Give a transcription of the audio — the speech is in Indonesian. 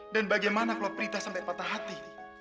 dan bagaimana kalau prita sampai patah hati